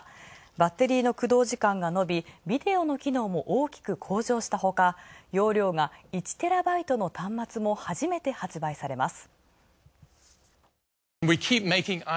駆動時間が延び、ビデオの機能も大きく向上したほか容量が１テラバイトの端末も初めて販売されます。